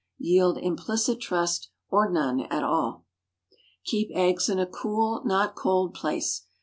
Yield implicit trust, or none at all. Keep eggs in a cool, not cold place.